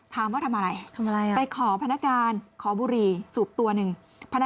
ถามว่าทำอะไรไปขอพนักการขอบุรีสูบตัวหนึ่งทำอะไร